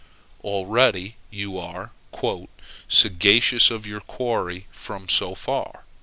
Already you are "sagacious of your quarry from so far."